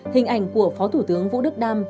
hình ảnh của phó thủ tướng vũ đức đam